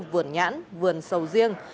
vườn nhãn vườn sầu riêng